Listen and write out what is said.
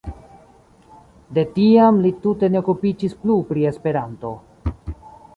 De tiam li tute ne okupiĝis plu pri Esperanto.